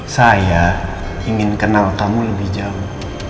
saya ingin kenal kamu lebih jauh